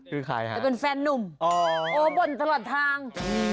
คือใครฮะอ๋อโอ้ยบ่นตลอดทาง